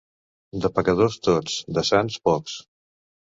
De pecadors tots, de sants pocs.